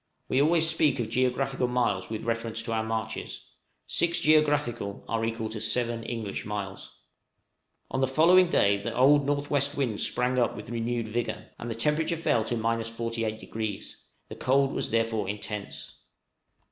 We always speak of geographical miles with reference to our marches; six geographical are equal to seven English miles. On the following day the old N.W. wind sprang up with renewed vigor, and the thermometer fell to 48°; the cold was therefore intense.